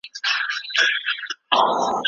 دوی کولای شي زعفران په نوي بڼه وړاندې کړي.